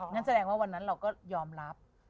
นั่นแสดงว่าวันนั้นเราก็ยอมรับ